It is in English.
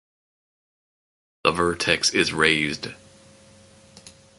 The vertex is raised.